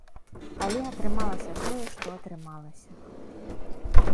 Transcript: А атрымалася тое, што атрымалася.